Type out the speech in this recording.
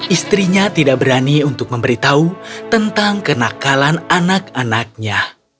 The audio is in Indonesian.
istrinya tidak berani untuk memberitahu tentang kenakalan anak anaknya